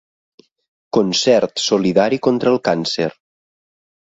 Concert solidari contra el càncer.